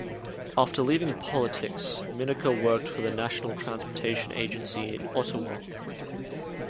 After leaving politics, Minaker worked for the National Transportation Agency in Ottawa.